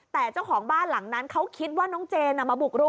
แต่เจ้าของบ้านหลังนั้นเขาคิดว่าน้องเจนมาบุกรุก